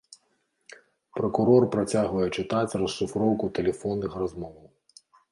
Пракурор працягвае чытаць расшыфроўку тэлефонных размоваў.